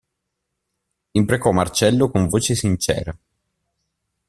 Imprecò Marcello con voce sincera.